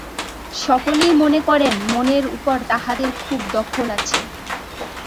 সকলেই মনে করেন, মনের উপর তাঁহাদের খুব দখল আছে।